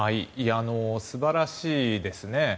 素晴らしいですね。